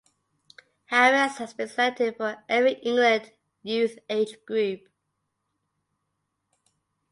Harries has been selected for every England youth age group.